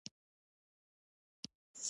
د اوقافو وزارت لست جوړ کړي.